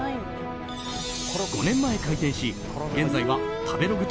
５年前開店し現在は食べログ